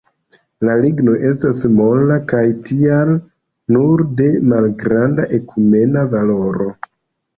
La ligno estas mola kaj tial nur de malgranda ekumena valoro.